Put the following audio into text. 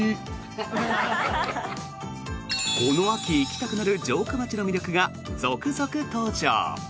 この秋行きたくなる城下町の魅力が続々登場！